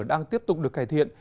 đang tiếp tục được cải thiện